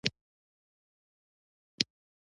لمسی د نیکه خندا ته لامل کېږي.